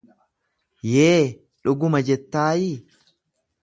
yee, dhuguma jettaayii?